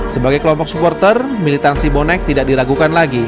sebagai kelompok supporter militansi bonek tidak diragukan lagi